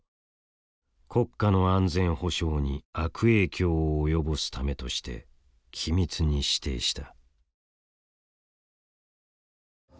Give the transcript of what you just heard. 国家の安全保障に悪影響を及ぼすためとして機密に指定した。